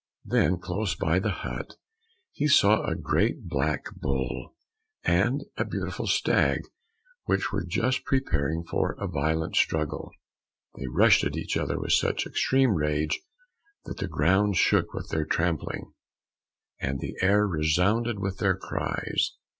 Then close by the hut, he saw a great black bull and a beautiful stag, which were just preparing for a violent struggle. They rushed at each other with such extreme rage that the ground shook with their trampling, and the air resounded with their cries.